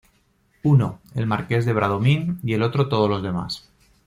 uno, el Marqués de Bradomín, y el otro todos los demás.